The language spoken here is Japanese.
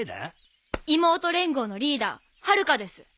妹連合のリーダー春香です。